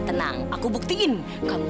kita bisa ngomong ngomong benar benar sekelar ini